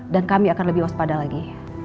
dan kami akan lebih waspada lagi